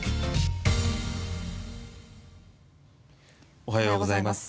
おはようございます。